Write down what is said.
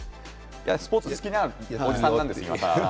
スポーツ好きなおじさんなんです。